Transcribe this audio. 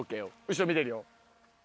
後ろ見てるよ